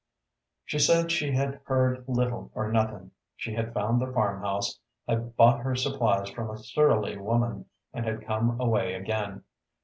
She said she had heard little or nothing. She had found the farmhouse, had bought her supplies from a surly woman and had come away again.